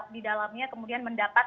di dalamnya kemudian mendapat